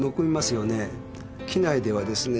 機内ではですね